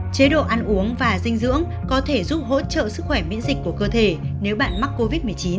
chế độ ăn uống và dinh dưỡng có thể giúp hỗ trợ sức khỏe miễn dịch của cơ thể nếu bạn mắc covid một mươi chín